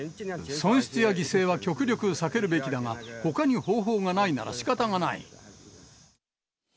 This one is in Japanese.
損失や犠牲は極力避けるべきだが、ほかに方法がないならしかたがない。